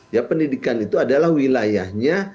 ya pendidikan itu adalah wilayahnya